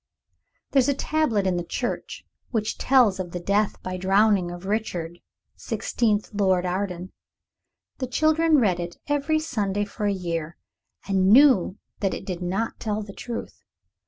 There is a tablet in the church which tells of the death by drowning of Richard, Sixteenth Lord Arden. The children read it every Sunday for a year, and knew that it did not tell the truth.